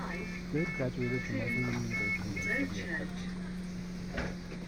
Goode graduated from Wesleyan University and studied at Harvard University.